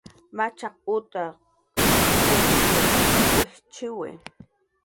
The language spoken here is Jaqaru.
Machaq utw pirq wijchiwi